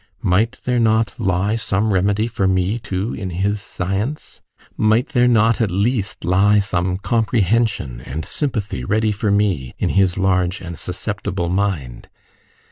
Might there not lie some remedy for me, too, in his science? Might there not at least lie some comprehension and sympathy ready for me in his large and susceptible mind?